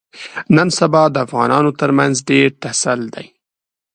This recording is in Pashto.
نن سبا د افغانانو ترمنځ ډېر ټسل دی.